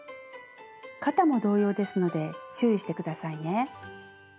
肩も同様ですので注意して下さいね。